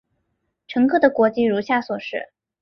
乘客的国籍如下所示。